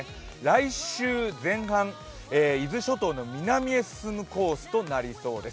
来週前半、伊豆諸島の南へ進むコースとなりそうです。